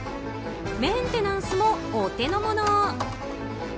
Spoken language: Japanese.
メンテナンスも、お手の物。